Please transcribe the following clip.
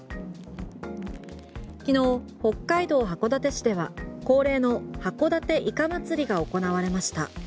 昨日、北海道函館市では恒例の函館いか祭りが行われました。